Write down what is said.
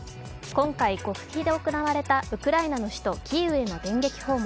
今回、極秘で行われたウクライナの首都キーウへの電撃訪問。